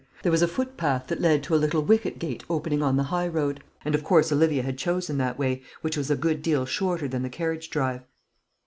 There was a footpath that led to a little wicket gate opening on the high road; and of course Olivia had chosen that way, which was a good deal shorter than the carriage drive.